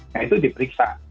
nah itu diperiksa